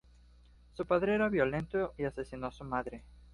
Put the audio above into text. Su padre era violento y asesinó a su madre.